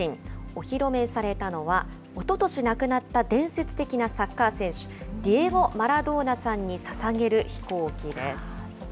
お披露目されたのは、おととし亡くなった伝説的なサッカー選手、ディエゴ・マラドーナさんにささげる飛行機です。